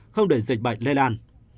không để dịch bệnh lây lan